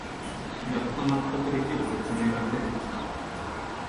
やっと納得できる説明が出てきた